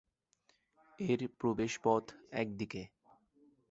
এর প্রবেশ পথ একদিকে।